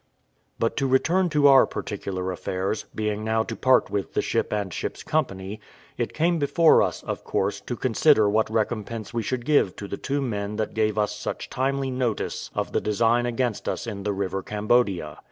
But to return to our particular affairs, being now to part with the ship and ship's company, it came before us, of course, to consider what recompense we should give to the two men that gave us such timely notice of the design against us in the river Cambodia.